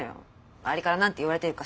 周りから何て言われてるか知ってんの？